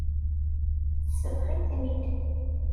Tesbeɣ-iten-id.